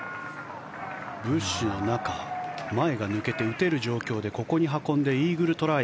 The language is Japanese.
ブッシュの中前が抜けて打てる状況でここに運んでイーグルトライ。